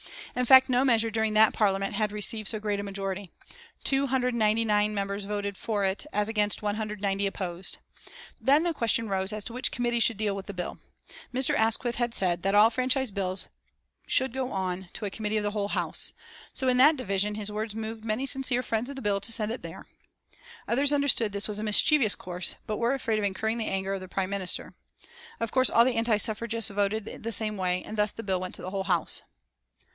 In fact no measure during that Parliament had received so great a majority 299 members voted for it as against 190 opposed. Then the question arose as to which committee should deal with the bill. Mr. Asquith had said that all franchise bills should go to a Committee of the Whole House, so that in the division his words moved many sincere friends of the bill to send it there. Others understood that this was a mischievous course, but were afraid of incurring the anger of the Prime Minister. Of course all the anti suffragists voted the same way, and thus the bill went to the Whole House.